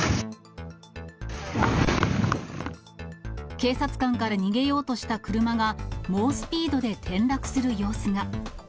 警察官から逃げようとした車が猛スピードで転落する様子が。